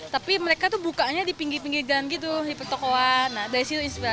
tapi mereka tuh bukanya di pinggir pinggir jalan gitu di petokohan nah dari situ inspirasinya